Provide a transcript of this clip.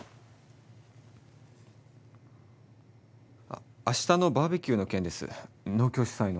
あっ明日のバーベキューの件です農協主催の。